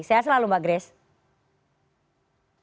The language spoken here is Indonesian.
sehat selalu mbak grace